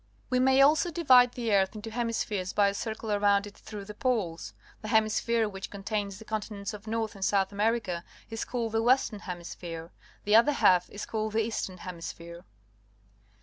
We may also divide the earth into hemi spheres by a circle around it through The Eastern Hemisphere the poles. The hemisphere which contains the continents of North and South America is called the Western Hemisphere. The other half is called the Eastern Hemisphere.